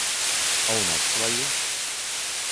А ў нас свае!